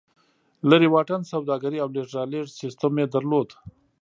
لرې واټن سوداګري او لېږد رالېږد سیستم یې درلود.